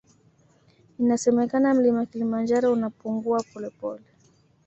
Inasemekana mlima kilimanjaro unapungua polepole